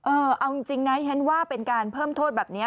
เอาจริงนะฉันว่าเป็นการเพิ่มโทษแบบนี้